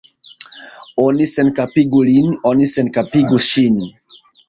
Oni senkapigu lin, oni senkapigu ŝin!